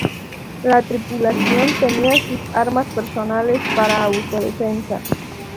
La tripulación tenía sus armas personales para autodefensa.